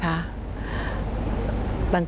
ต่างเลยนี่